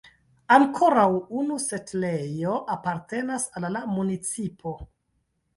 Ankoraŭ unu setlejo apartenas al la municipo.